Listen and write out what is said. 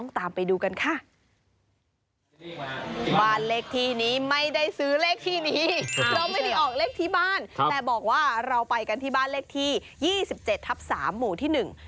แต่บอกว่าเราไปกันที่บ้านเลขที่๒๗ทับ๓หมู่ที่๑